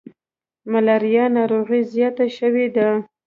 ملاریا ناروغي زیاته شوي ده.